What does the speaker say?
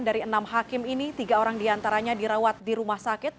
dari enam hakim ini tiga orang diantaranya dirawat di rumah sakit